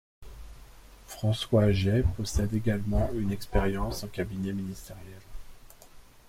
François Jay possède également une expérience en cabinet ministériel.